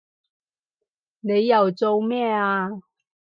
你又做咩啊